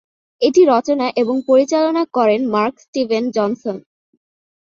এটি রচনা এবং পরিচালনা করেন মার্ক স্টিভেন জনসন।